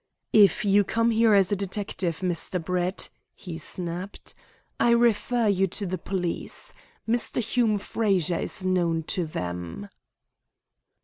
"If you come here as a detective, Mr. Brett," he snapped, "I refer you to the police. Mr. Hume Frazer is known to them."